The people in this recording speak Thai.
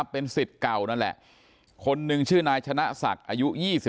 เป็นสิทธิ์เก่านั่นแหละคนหนึ่งชื่อนายชนะศักดิ์อายุ๒๓